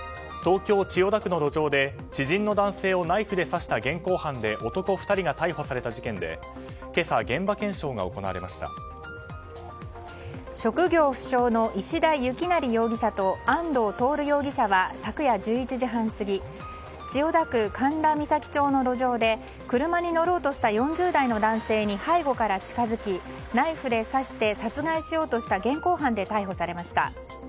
東京・千代田区の路上で知人の男性をナイフで刺した現行犯で男２人が逮捕された事件で職業不詳の石田幸成容疑者と安藤徹容疑者は昨夜１１時半過ぎ千代田区神田三崎町の路上で車に乗ろうとした４０代の男性に背後から近づきナイフで刺して殺害しようとした現行犯で逮捕されました。